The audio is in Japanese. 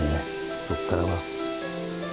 そこからは。